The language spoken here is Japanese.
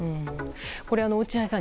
これ、落合さん